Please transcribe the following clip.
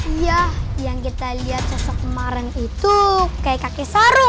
iya yang kita lihat sesekamaren itu kayak kakek sarung